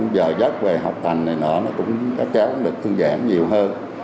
giờ dắt về học thành này nó cũng có cháu được thương giảm nhiều hơn